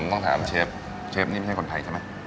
ต้องถามเชฟเชฟนี่ไม่ใช่คนไทยใช่ไหม